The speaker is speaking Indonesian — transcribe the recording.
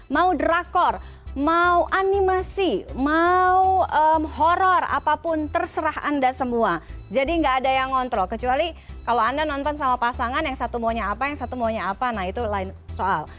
mau drakor mau animasi mau horror apapun terserah anda semua jadi enggak ada yang ngontrol kecuali kalau anda nonton sama pasangan yang satu maunya apa yang satu maunya apa nah itu lain soal